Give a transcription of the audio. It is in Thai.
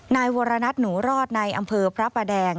นายวรณัฐหนูรอดในอำเภอพระประแดง